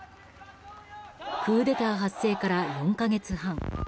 クーデター発生から４か月半。